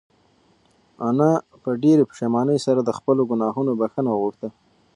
انا په ډېرې پښېمانۍ سره د خپلو گناهونو بښنه وغوښته.